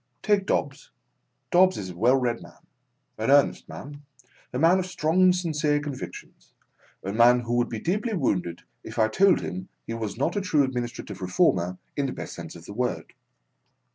Take Dobbs. Dobbs is a well read man, an earnest man, a man of strong and sincere convictions, a man who would be deeply wounded if i told him he was not a true Administrative Reformer in the best sense of the word.